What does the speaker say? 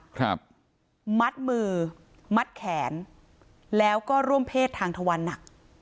ครับมัดมือมัดแขนแล้วก็ร่วมเพศทางทวันหนัก